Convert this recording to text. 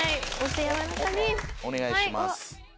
お願いします。